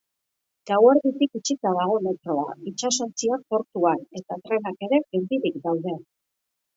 Gauerditik itxita dago metroa, itsasontziak portuan, eta trenak ere geldirik daude.